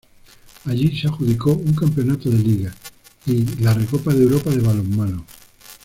Allí se adjudicó un Campeonato de liga, y, la Recopa de Europa de balonmano.